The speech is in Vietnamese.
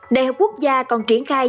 đại học quốc gia còn triển khai